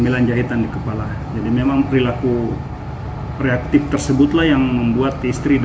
hai sembilan jahitan dikepala jadi memang perilaku reaktif tersebutlah yang terdapat dari pelaku tersebut juga